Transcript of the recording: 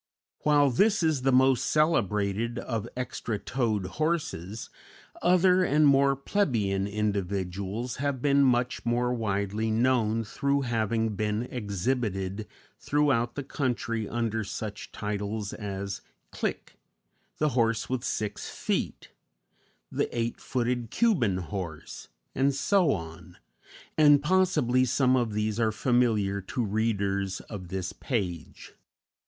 While this is the most celebrated of extra toed horses, other and more plebeian individuals have been much more widely known through having been exhibited throughout the country under such titles as "Clique, the horse with six feet," "the eight footed Cuban horse," and so on; and possibly some of these are familiar to readers of this page.